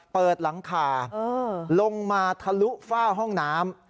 เปิดหลังคาลงมาทะลุฝ้าห้องน้ำ